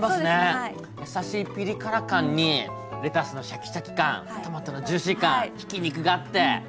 やさしいピリ辛感にレタスのシャキシャキ感トマトのジューシー感ひき肉があって。